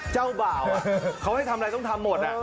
เจ้าบ่าวเขาให้ทำอะไรต้องทำหมด